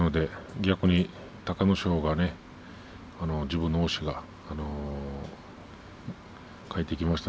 逆に隆の勝は自分の押しが入ってきました。